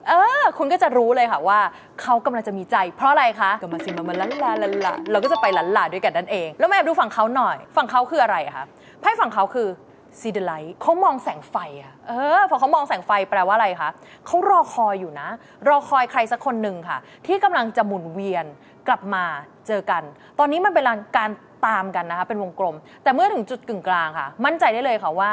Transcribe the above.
เออคุณก็จะรู้เลยค่ะว่าเขากำลังจะมีใจเพราะอะไรคะ